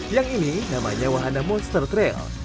yang ini namanya wahana monster trail